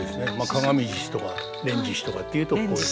「鏡獅子」とか「連獅子」とかっていうとこういうね。